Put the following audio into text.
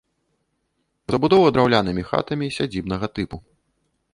Забудова драўлянымі хатамі сядзібнага тыпу.